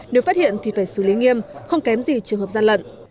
nếu phát hiện thì phải xử lý nghiêm không kém gì trường hợp gian lận